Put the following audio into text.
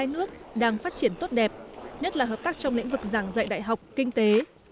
hai nước đang phát triển tốt đẹp nhất là hợp tác trong lĩnh vực giảng dạy đại học kinh tế